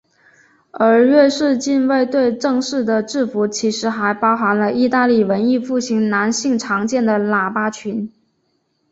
而瑞士近卫队正式的制服其实还包含了义大利文艺复兴男性常见的喇叭裙。